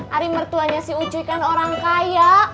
hari mertuanya si uci kan orang kaya